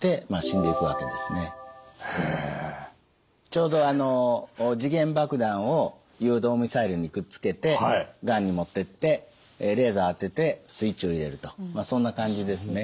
ちょうどあの時限爆弾を誘導ミサイルにくっつけてがんに持ってってレーザー当ててスイッチを入れるとそんな感じですね。